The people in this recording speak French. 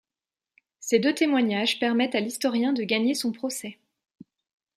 Ces deux témoignages permettent à l'historien de gagner son procès.